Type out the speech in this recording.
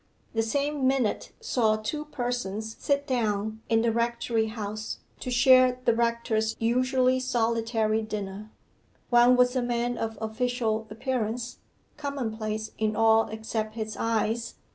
The same minute saw two persons sit down in the rectory house to share the rector's usually solitary dinner. One was a man of official appearance, commonplace in all except his eyes.